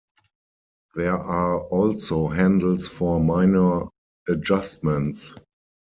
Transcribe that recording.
There are also handles for minor adjustments.